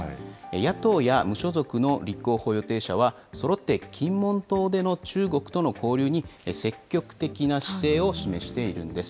野党や無所属の立候補予定者は、そろって金門島での中国との交流に積極的な姿勢を示しているんです。